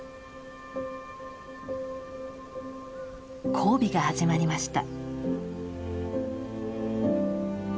交尾が始まりました。